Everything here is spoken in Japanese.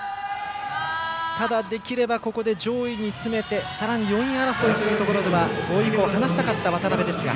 ただ、できればここで上位に詰めてさらに４位争いというところでは５位以降と離したかった渡部ですが。